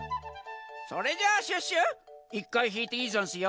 それじゃあシュッシュ１かいひいていいざんすよ。